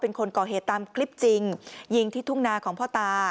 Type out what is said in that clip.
เป็นคนก่อเหตุตามคลิปจริงยิงที่ทุ่งนาของพ่อตา